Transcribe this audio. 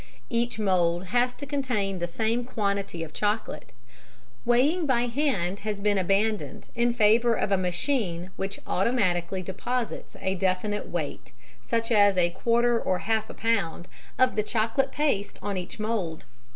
Each mould has to contain the same quantity of chocolate. Weighing by hand has been abandoned in favour of a machine which automatically deposits a definite weight, such as a quarter or half a pound, of the chocolate paste on each mould.